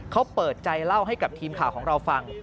เขาเปิดใจเล่าให้กับทีมข่าวของเราฟัง